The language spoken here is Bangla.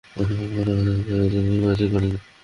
আর, এমনে ও, আমি চিটিং বাজি করি না।